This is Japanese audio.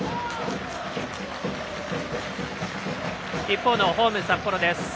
一方のホーム、札幌です。